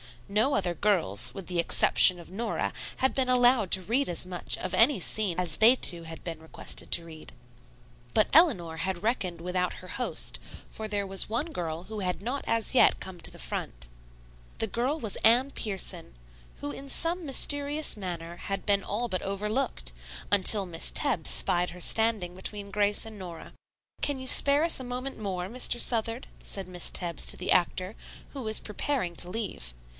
No other girls, with the exception of Nora, had been allowed to read as much of any scene as they two had been requested to read. But Eleanor had reckoned without her host, for there was one girl who had not as yet come to the front. The girl was Anne Pierson, who in some mysterious manner had been all but overlooked, until Miss Tebbs spied her standing between Grace and Nora. "Can you spare us a moment more, Mr. Southard?" said Miss Tebbs to the actor, who was preparing to leave.